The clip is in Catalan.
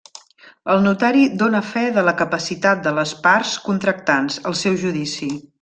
El Notari dóna fe de la capacitat de les parts contractants, al seu judici.